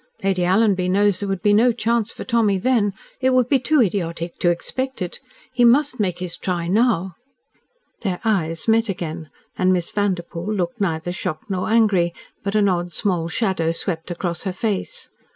Lady Alanby knows there would be no chance for Tommy then. It would be too idiotic to expect it. He must make his try now." Their eyes met again, and Miss Vanderpoel looked neither shocked nor angry, but an odd small shadow swept across her face.